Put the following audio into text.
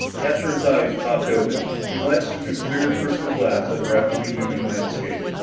Astro's eyes popped open. He glanced through the clear crystal glass at the rapidly moving landscape.